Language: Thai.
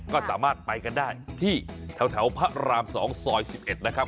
ก็สามารถไปกันได้ที่แถวพระราม๒ซอย๑๑นะครับ